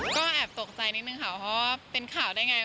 ก็แอบตกใจนิดนึงค่ะเพราะว่าเป็นข่าวได้ไง